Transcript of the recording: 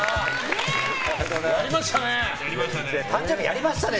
やりましたね！